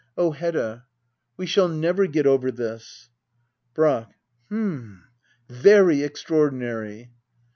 '] Oh, Hedda, we shall never get over this. Brack. H'm, very extraordinary.